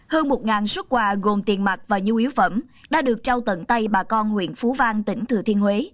hơn một xuất quà gồm tiền mặt và nhu yếu phẩm đã được trao tận tay bà con huyện phú vang tỉnh thừa thiên huế